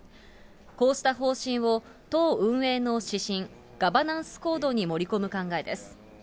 こうした方針を、党運営の指針、ガバナンスコードに盛り込む考えです。